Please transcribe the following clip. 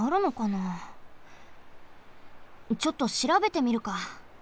ちょっとしらべてみるか。